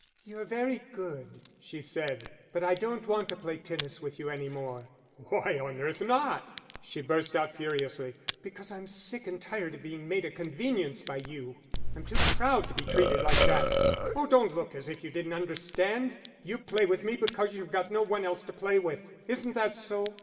"You're very good," she said, "but I don't want to play tennis with you any more." "Why on earth not?" She burst out furiously "Because I'm sick and tired of being made a convenience by you. I'm too proud to be treated like that. Oh, don't look as if you didn't understand. You play with me because you've got no one else to play with. Isn't that so?